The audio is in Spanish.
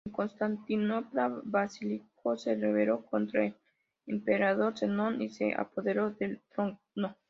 En Constantinopla, Basilisco se rebeló contra el emperador Zenón y se apoderó del trono.